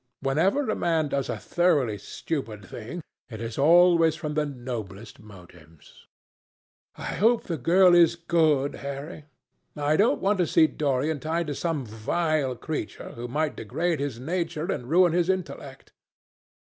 Whenever a man does a thoroughly stupid thing, it is always from the noblest motives." "I hope the girl is good, Harry. I don't want to see Dorian tied to some vile creature, who might degrade his nature and ruin his intellect."